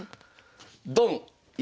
ドン！